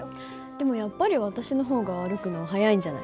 でもやっぱり私の方が歩くの速いんじゃない？